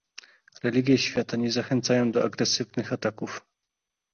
Religie świata nie zachęcają do agresywnych ataków